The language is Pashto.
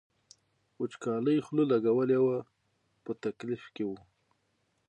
وچکالۍ خوله لګولې وه په تکلیف کې و.